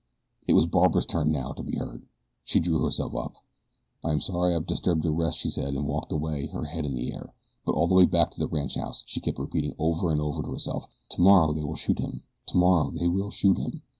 It was Barbara's turn now to be hurt. She drew herself up. "I am sorry that I have disturbed your rest," she said, and walked away, her head in the air; but all the way back to the ranchhouse she kept repeating over and over to herself: "Tomorrow they will shoot him! Tomorrow they will shoot him!